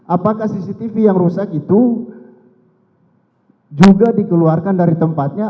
apakah cctv yang rusak itu juga dikeluarkan dari tempatnya